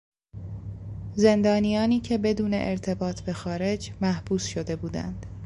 زندانیانی که بدون ارتباط به خارج محبوس شده بودند